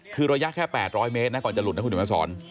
คือระยะแค่๘๐๐เมตรนะก่อนจะหลุดนะคุณเดี๋ยวมาสอน